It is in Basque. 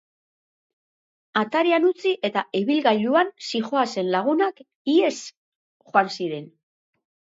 Atarian utzi eta ibilgailuan zihoazen lagunak ihesi joan ziren.